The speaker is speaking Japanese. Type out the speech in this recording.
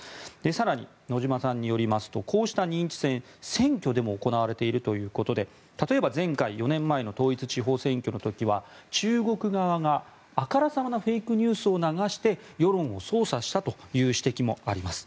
更に、野嶋さんによりますとこうした認知戦選挙でも行われているということで例えば、前回４年前の統一地方選挙の時は中国側が、あからさまなフェイクニュースを流して世論を操作したという指摘もあります。